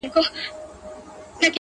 سرټیفایډ مسلمان واوسې